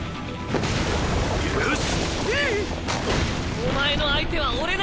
お前の相手は俺な。